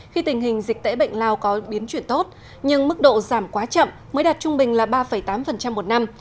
khi tình hình dịch tễ bệnh lao có biến chuyển tốt nhưng mức độ giảm quá chậm mới đạt trung bình là ba tám một năm